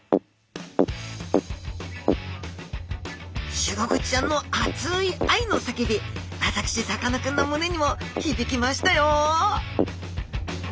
シログチちゃんの熱い愛の叫び私さかなクンの胸にも響きましたよ